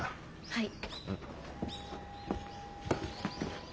はい。